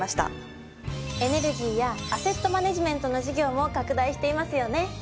エネルギーやアセットマネジメントの事業も拡大していますよね。